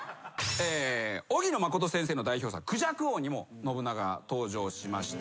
荻野真先生の代表作『孔雀王』にも信長が登場しました。